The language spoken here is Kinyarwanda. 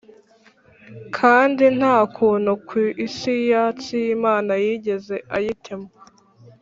kandi nta kuntu ku isi yatsi y'imana yigeze ayitema.